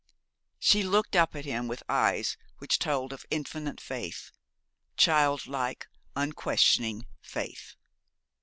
She looked up at him with eyes which told of infinite faith, child like, unquestioning faith.